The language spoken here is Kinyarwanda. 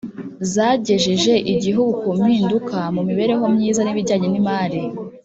zagejeje igihugu ku mpinduka mu mibereho myiza n’ibijyanye n’imari